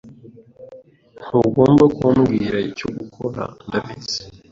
Ntugomba kumbwira icyo gukora. Ndabizi.